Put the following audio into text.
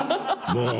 もう！